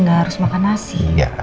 gak harus makan nasi